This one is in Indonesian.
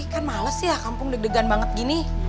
kan males ya kampung deg degan banget gini